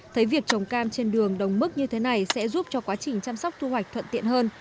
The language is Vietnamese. thấy việc trồng cam trên đường đồng mức như thế này sẽ giúp cho quá trình chăm sóc thu hoạch thuận tiện hơn